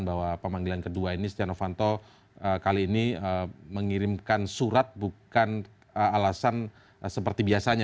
bahwa pemanggilan kedua ini setia novanto kali ini mengirimkan surat bukan alasan seperti biasanya